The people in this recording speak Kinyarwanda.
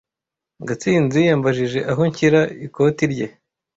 Gatsinzi yambajije aho nshyira ikoti rye.